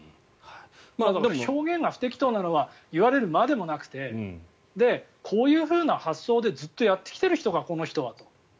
表現が不適当なのは言われるまでもなくてこういうふうな発想でずっとやってきている人かこの人はと。